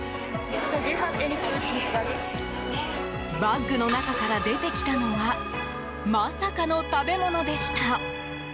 バッグの中から出てきたのはまさかの食べ物でした。